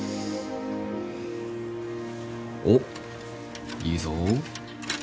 おっいいぞ。